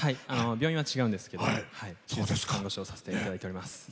病院は違うんですけど看護師をさせていただいております。